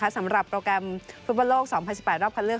สำหรับโปรแกรมฟุตบอลโลก๒๐๑๘รอบคัดเลือก